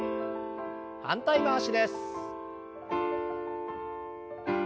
反対回しです。